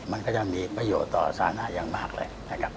มันก็จะมีประโยชน์ต่อสถานาอย่างมากเลย